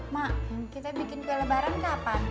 mak kita bikin kue lebaran kapan